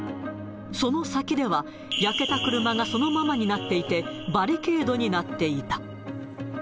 その先では、焼けた車がそのままになっていて、バリケードになっていた。